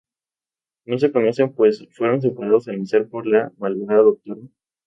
No se conocen pues fueron separados al nacer por la malvada Dra.